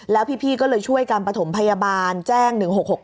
แล้วพี่ก็เลยช่วยการประถมพยาบาลแจ้ง๑๖๖